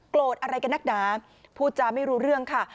โกรธอะไรกันนักดาผู้ตัำไม่รู้เรื่องค่ะ